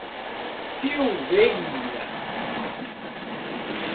Silveiras